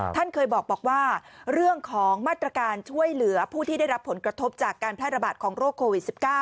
ท่านเคยบอกว่าเรื่องของมาตรการช่วยเหลือผู้ที่ได้รับผลกระทบจากการแพร่ระบาดของโรคโควิด๑๙